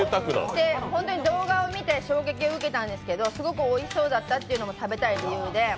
動画を見て衝撃を受けたんですけどすごくおいしそうだったっていうのも食べたい理由で。